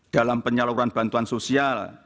dalam penyaluran bantuan sosial